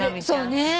そうね。